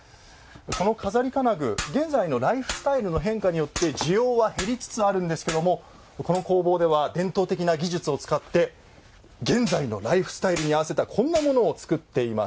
この錺金具現在のライフスタイルの変化によって需要は減りつつあるんですけどもこの工房では伝統的な技術を使って現在のライフスタイルに合わせたこんなものを作っています。